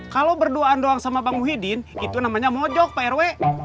kalau berduaan doang sama pak muhyiddin itu namanya mojok pak rw